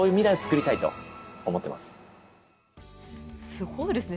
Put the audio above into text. すごいですね。